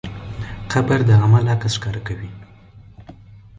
قبر د عمل عکس ښکاره کوي.